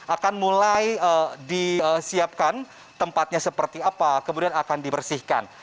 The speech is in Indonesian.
akan mulai disiapkan tempatnya seperti apa kemudian akan dibersihkan